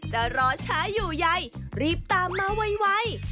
จะรอช้าอยู่ใยรีบตามมาไว